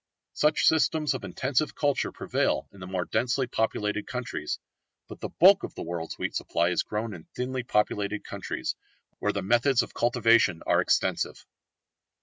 Such systems of intensive culture prevail in the more densely populated countries, but the bulk of the world's wheat supply is grown in thinly populated countries, where the methods of cultivation are extensive.